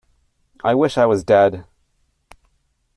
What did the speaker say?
I wish I was dead!